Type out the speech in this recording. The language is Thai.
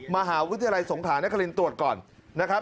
มหาวิทยาลัยสงขานครินตรวจก่อนนะครับ